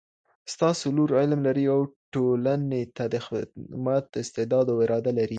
ستاسو لور علم لري او ټولني ته د خدمت استعداد او اراده لري